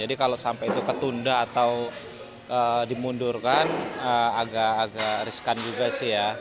jadi kalau sampai itu ketunda atau dimundurkan agak agak riskan juga sih ya